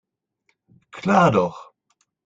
Klar doch.